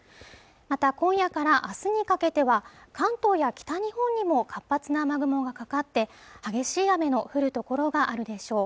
また今夜からあすにかけては関東や北日本にも活発な雨雲がかかって激しい雨の降る所があるでしょう